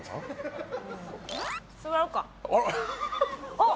あっ！